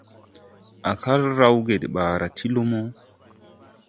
Á kal rawge de ɓaara ti lumo.